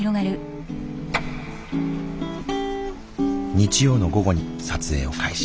日曜の午後に撮影を開始。